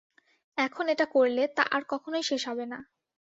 এখন এটা করলে, তা আর কখনোই শেষ হবে না।